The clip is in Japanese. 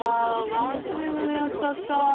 マジで胸アツだった！